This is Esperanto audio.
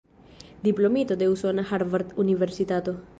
Diplomito de usona Harvard-universitato.